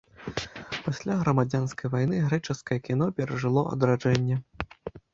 Пасля грамадзянскай вайны грэчаскае кіно перажыло адраджэнне.